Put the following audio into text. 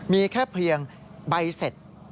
มีแค่เพียงใบเสร็จ